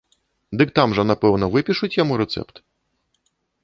Дык там жа напэўна выпішуць яму рэцэпт!